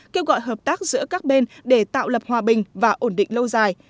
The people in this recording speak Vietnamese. kêu gọi hợp tác giữa các bên để tạo lập hòa bình và ổn định lâu dài